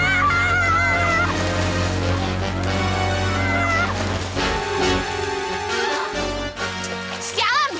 new face ya okelah